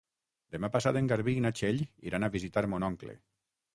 Demà passat en Garbí i na Txell iran a visitar mon oncle.